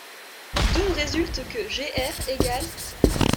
D’où résulte que gr égale…